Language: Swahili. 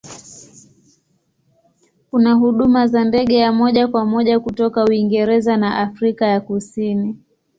Kuna huduma za ndege ya moja kwa moja kutoka Uingereza na Afrika ya Kusini.